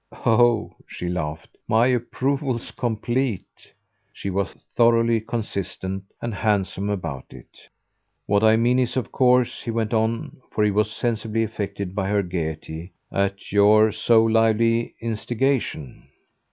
"Oh," she laughed, "my approval's complete!" She was thoroughly consistent and handsome about it. "What I mean is of course," he went on for he was sensibly affected by her gaiety "at your so lively instigation."